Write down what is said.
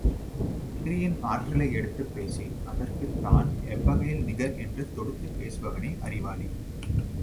எதிரியின் ஆற்றலை எடுத்துப் பேசி அதற்குத் தான் எவ்வகையில் நிகர் என்று தொடுத்துப் பேசுபவனே அறிவாளி.